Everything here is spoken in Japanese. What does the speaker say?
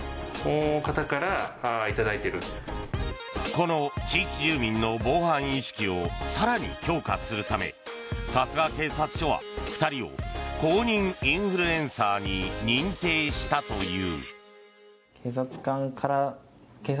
この地域住民の防犯意識を更に強化するため春日警察署は２人を公認インフルエンサーに認定したという。